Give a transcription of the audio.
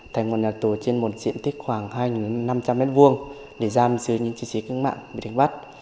thành một nhà tù trên một diện tích khoảng hai năm trăm linh m hai để giam giữ những chiến sĩ cách mạng bị đánh bắt